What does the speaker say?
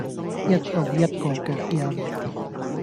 一步一個腳印